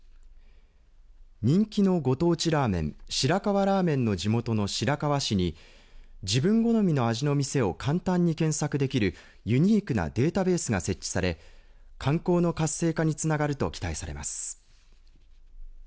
人気のご当地ラーメン白河ラーメンの地元の白河市に自分好みの味の店を簡単に検索できるユニークなデータベースが設置され観光の活性化につながると期待されます。